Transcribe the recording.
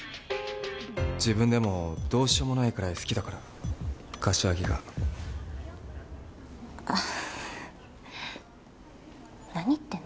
自分でもどうしようもないくらい好きだから柏木があっ何言ってんの？